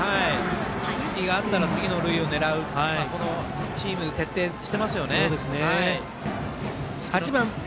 隙があったら次の塁を狙うチーム、徹底してますよね。